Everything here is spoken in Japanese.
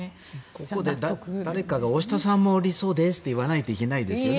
ここで誰かが大下さんも理想ですと言わないといけないですよね。